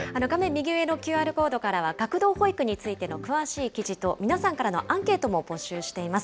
右上のＱＲコードからは、学童保育についての詳しい記事と、皆さんからのアンケートも募集しています。